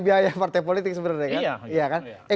biaya partai politik sebenarnya kan